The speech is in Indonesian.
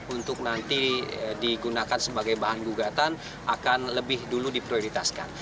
untuk nanti digunakan sebagai bahan gugatan akan lebih dulu diprioritaskan